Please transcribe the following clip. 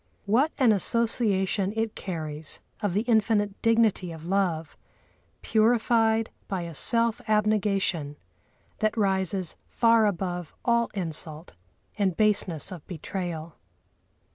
What an association it carries of the infinite dignity of love, purified by a self abnegation that rises far above all insult and baseness of betrayal!